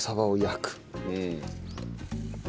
うん。